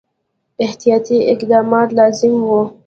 احتیاطي اقدامات لازم وه.